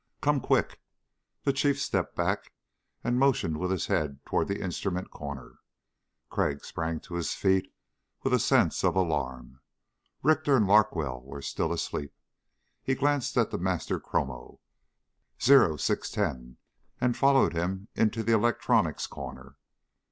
"Come quick!" The Chief stepped back and motioned with his head toward the instrument corner. Crag sprang to his feet with a sense of alarm. Richter and Larkwell were still asleep. He glanced at the master chrono, 0610, and followed him into the electronics corner.